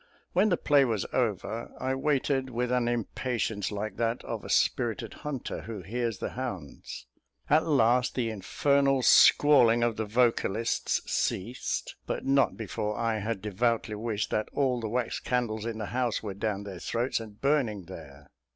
When the play was over, I waited with an impatience like that of a spirited hunter who hears the hounds. At last, the infernal squalling of the vocalists ceased, but not before I had devoutly wished that all the wax candles in the house were down their throats and burning there.